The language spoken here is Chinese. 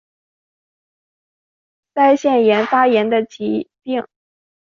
腮腺炎发炎的疾病。